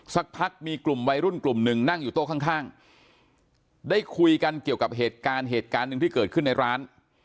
สักพักมีกลุ่มวัยรุ่นกลุ่มหนึ่งนั่งอยู่โต๊ะข้างได้คุยกันเกี่ยวกับเหตุการณ์เหตุการณ์หนึ่งที่เกิดขึ้นในร้าน